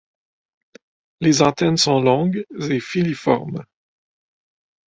Les antennes sont longues et filiformes.